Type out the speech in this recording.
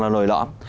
là nổi lõm